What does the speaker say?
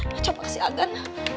macam apa sih agan